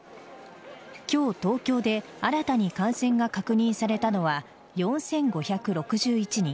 今日、東京で新たに感染が確認されたのは４５６１人。